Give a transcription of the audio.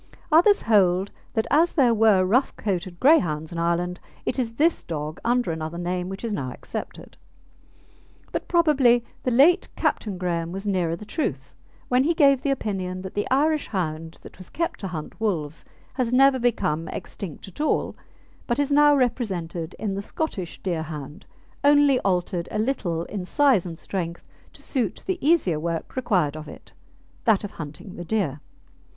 Others hold that as there were rough coated Greyhounds in Ireland, it is this dog, under another name, which is now accepted. But probably the late Captain Graham was nearer the truth when he gave the opinion that the Irish hound that was kept to hunt wolves has never become extinct at all, but is now represented in the Scottish Deerhound, only altered a little in size and strength to suit the easier work required of it that of hunting the deer.